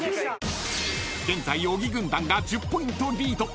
［現在小木軍団が１０ポイントリード］